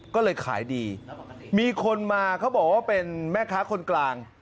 ก็เลยขายดีมีคนมาเขาบอกว่าเป็นแม่ค้าคนกลาง